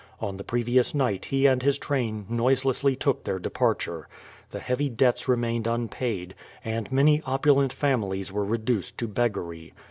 On the previous night he and his train noiselessly took their departure. The heavy debts remained unpaid, and many opulent families were reduced to beggary.